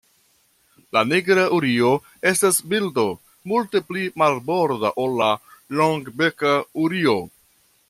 La Nigra urio estas birdo multe pli marborda ol la Longbeka urio.